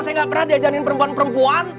saya gak pernah jajanin perempuan perempuan